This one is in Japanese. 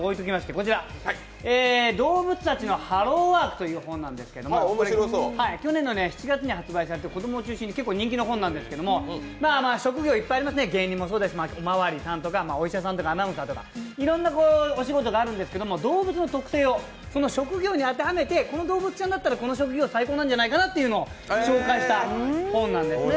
こちら「動物たちのハローワーク」という本なんですが去年の７月に発売されて、子供を中心に結構人気の本なんですが、職業いっぱいありますね、芸人もそうですけど、おまわりさんとかアナウンサーとかいろんなお仕事があるんですけどと動物の特性をその職業に当てはめて、動物になったら、この職業が最高なんじゃないかなというのを紹介した本なんですね。